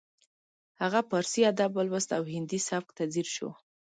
هغه پارسي ادب ولوست او هندي سبک ته ځیر شو